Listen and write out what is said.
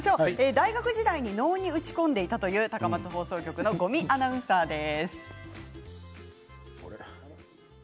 大学時代に能に打ち込んでいたという高松放送局の五味アナウンサーです。